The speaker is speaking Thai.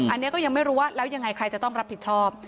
อันนี้ก็ยังไม่รู้ว่าแล้วยังไงใครจะต้องรับผิดชอบ